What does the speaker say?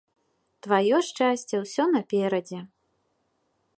Тваё шчасце ўсё наперадзе.